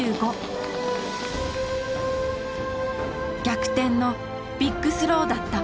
逆転のビッグスローだった。